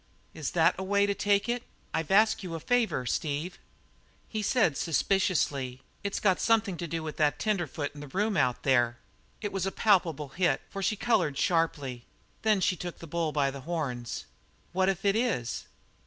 "Is that a way to take it! I've asked you a favour, Steve." He said suspiciously: "It's got something to do with the tenderfoot in the room out there?" It was a palpable hit, for she coloured sharply. Then she took the bull by the horns. "What if it is?"